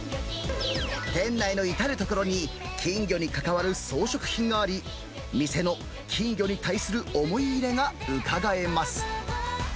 店内の至る所に、金魚に関わる装飾品があり、店の金魚に対する思い入れがうかがえます。